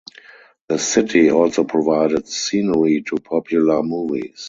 The city also provided scenery to popular movies.